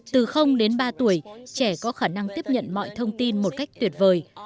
từ đến ba tuổi trẻ có khả năng tiếp nhận mọi thông tin một cách tuyệt vời